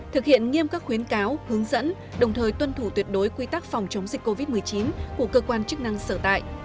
thực hiện nghiêm các khuyến cáo hướng dẫn đồng thời tuân thủ tuyệt đối quy tắc phòng chống dịch covid một mươi chín của cơ quan chức năng sở tại